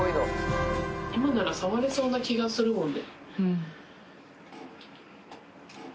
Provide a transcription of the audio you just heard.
今なら触れそうな気がするもんね。